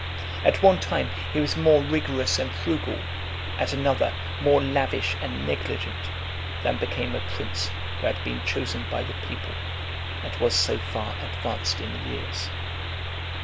At one time, he was more rigorous and frugal, at another, more lavish and negligent, than became a prince who had been chosen by the people, and was so far advanced in years.